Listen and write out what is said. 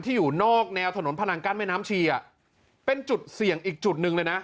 อยู่นอกแนวถนนพนังกั้นแม่น้ำชีอ่ะเป็นจุดเสี่ยงอีกจุดหนึ่งเลยนะ